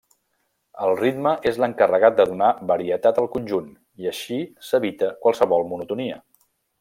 El ritme és l'encarregat de donar varietat al conjunt, i així s'evita qualsevol monotonia.